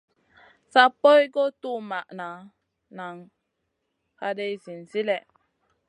Sa poy guʼ tuwmaʼna, sa nan haday zinzi lèh.